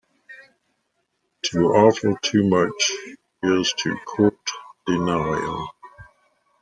To offer too much, is to court denial.